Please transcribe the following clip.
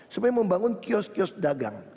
supaya membangun kios kios dagang